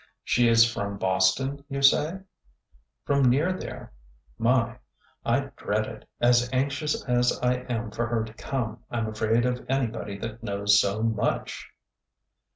'' She is from Boston, you say ?"'' From near there. My ! I dread it, as anxious as I am for her to come. I 'm afraid of anybody that knows so much